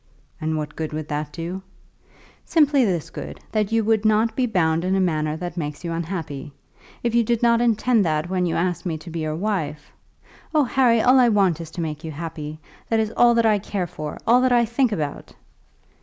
"And what good would that do?" "Simply this good, that you would not be bound in a manner that makes you unhappy. If you did not intend that when you asked me to be your wife Oh, Harry, all I want is to make you happy. That is all that I care for, all that I think about!"